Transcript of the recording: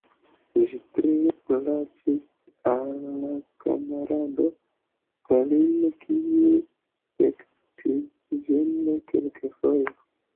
Ĝi tre plaĉis al kamarado Stalin, kiu spektis ĝin kelkfoje.